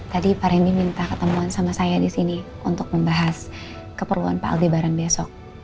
tadi pak rendy minta ketemuan sama saya di sini untuk membahas keperluan pak aldi bareng besok